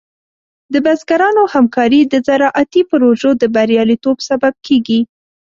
د بزګرانو همکاري د زراعتي پروژو د بریالیتوب سبب کېږي.